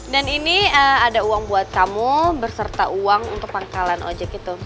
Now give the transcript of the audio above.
dan ini ada uang buat kamu berserta uang untuk pangkalan ojek itu